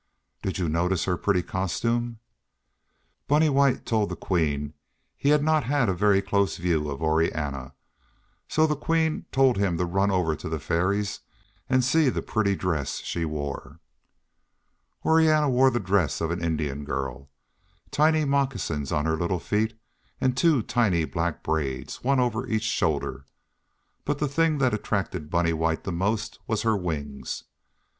"Did you notice her pretty costume?" Bunny White told the Queen he had not had a very close view of Orianna, so the Queen told him to run over to the Fairies and see the pretty dress she wore. Orianna wore the dress of an Indian girl, tiny moccasins on her little feet and two tiny black braids, one over each shoulder, but the thing that attracted Bunny White the most was her wings.